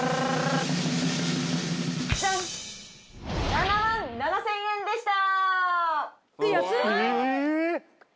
７万７，０００円でした。